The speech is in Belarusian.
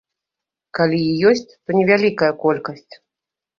Калі і ёсць, то невялікая колькасць.